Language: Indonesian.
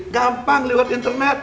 gampang lewat internet